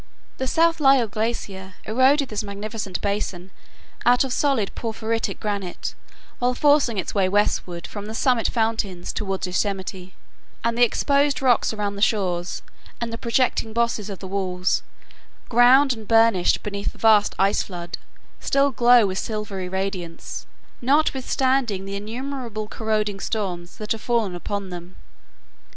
The South Lyell glacier eroded this magnificent basin out of solid porphyritic granite while forcing its way westward from the summit fountains toward Yosemite, and the exposed rocks around the shores, and the projecting bosses of the walls, ground and burnished beneath the vast ice flood, still glow with silvery radiance, notwithstanding the innumerable corroding storms that have fallen upon them.